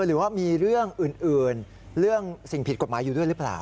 หรือว่ามีเรื่องอื่นเรื่องสิ่งผิดกฎหมายอยู่ด้วยหรือเปล่า